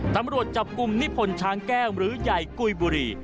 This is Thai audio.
ตำรวจจับกลุ่มนิพนธ์ช้างแก้วหรือใหญ่กุยบุรี